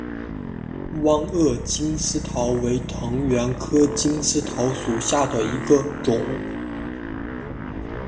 弯萼金丝桃为藤黄科金丝桃属下的一个种。